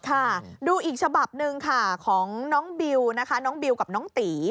ผมดูอีกฉบับนึงของน้องบิ๋วน้องบิ๋วกับน้องติ๋